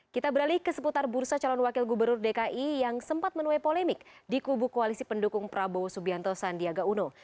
kita beralih ke seputar bursa calon wakil gubernur dki yang sempat menuai polemik di kubu koalisi pendukung prabowo subianto sandiaga uno